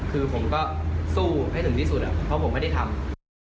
คือผมก็สู้ให้ถึงที่สุดเพราะผมไม่ได้ทำ